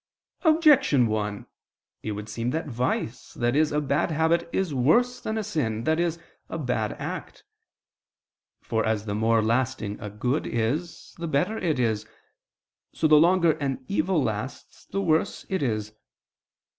Objection 1: It would seem that vice, i.e. a bad habit, is worse than a sin, i.e. a bad act. For, as the more lasting a good is, the better it is, so the longer an evil lasts, the worse it is.